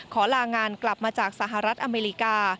ขอลางานกลับมาจากสหรัฐอเมริกา